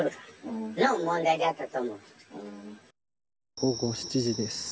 午後７時です。